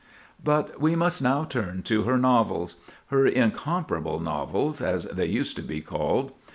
But we must now turn to her novels—her "incomparable novels," as they used to be called.